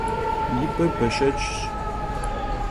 Yibe beşşeçş.